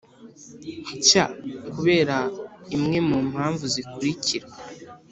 Nshya kubera imwe mu mpamvu zikurikira